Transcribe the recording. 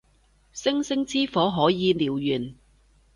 星星之火可以燎原